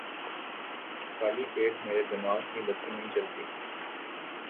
خالی پیٹ میرے دماغ کی بتی نہیں جلتی